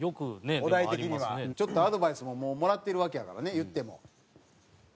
ちょっとアドバイスももうもらってるわけやからね言っても。